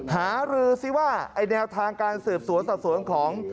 หารือซิว่าไอ้แนวทางการสืบสวนสอบสวนของ